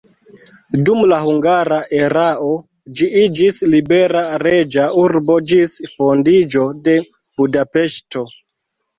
Dum la hungara erao ĝi iĝis libera reĝa urbo ĝis fondiĝo de Budapeŝto.